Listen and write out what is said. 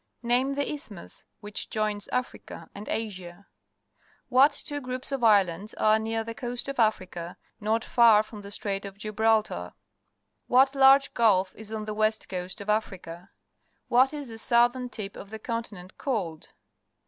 Name the isthmus which joins Africa and Asia. What two groups of islands are near the coast of Africa, not far from the Strait of Gibraltar? What large guK is on the west coast of Africa? What is the southern tip of the continent called?